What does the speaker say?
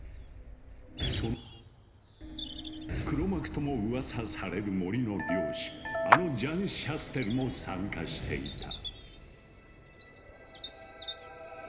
その中に黒幕ともウワサされる森の猟師あのジャン・シャステルも参加していた。